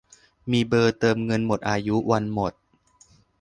มีเบอร์เติมเงินหมดอายุ วันหมด